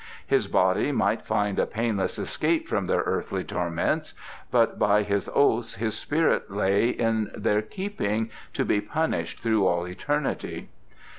His body might find a painless escape from their earthly torments, but by his oaths his spirit lay in their keeping to be punished through all eternity.